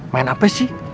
main apa sih